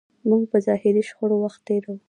موږ په ظاهري شخړو وخت تېروو.